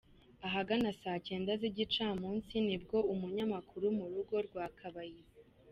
Ahagana saa cyenda z’igicamunsi nibwo umunyamakuru mu rugo rwa Kabayiza.